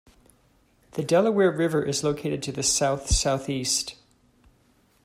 The Delaware River is located to the south-southeast.